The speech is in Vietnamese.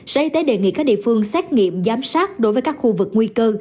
sở y tế đề nghị các địa phương xét nghiệm giám sát đối với các khu vực nguy cơ